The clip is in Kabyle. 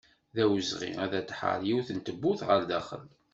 D awezɣi ad aɣ-d-tḥerr yiwet tewwurt ɣer daxel.